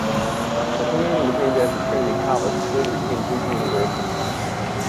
The community was named after Trinity College, which later became Duke University.